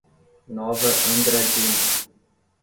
Nova Andradina